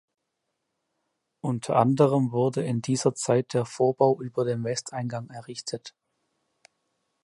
Unter anderem wurde in dieser Zeit der Vorbau über dem Westeingang errichtet.